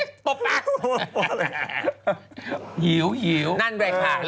สวยมะ